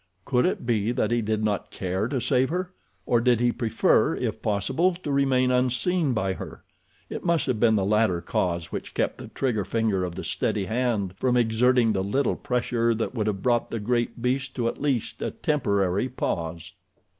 Could it be that he did not care to save her? Or, did he prefer, if possible, to remain unseen by her? It must have been the latter cause which kept the trigger finger of the steady hand from exerting the little pressure that would have brought the great beast to at least a temporary pause.